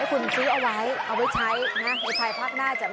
ให้คุณซื้อเอาไว้เอาไว้ใช้ให้ใครพักหน้าใจ